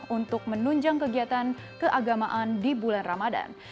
untuk menunjang kegiatan keagamaan di bulan ramadan